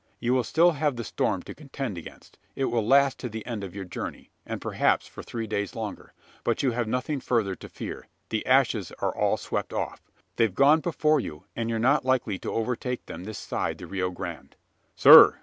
"You will still have the storm to contend against. It will last to the end of your journey; and, perhaps, for three days longer. But you have nothing further to fear. The ashes are all swept off. They've gone before you; and you're not likely to overtake them this side the Rio Grande." "Sir!"